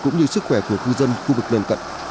cũng như sức khỏe của khu dân khu vực bên cận